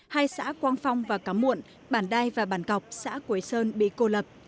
hai xã quang phong và cám muộn bản đai và bản cọc xã quế sơn bị cô lập